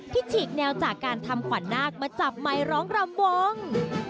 ฉีกแนวจากการทำขวัญนาคมาจับไมค์ร้องรำวง